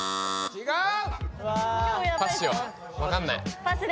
違う？